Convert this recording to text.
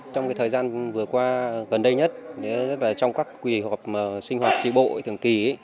trong cái thời gian vừa qua gần đây nhất trong các quỳ họp sinh hoạt tri bộ thường kỳ